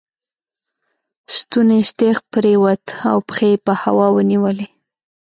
ستونی ستغ پر ووت او پښې یې په هوا ونیولې.